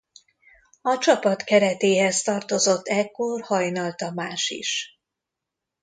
A csapat keretéhez tartozott ekkor Hajnal Tamás is.